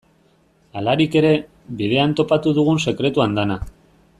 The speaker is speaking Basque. Halarik ere, bidean topatu dugun sekretu andana.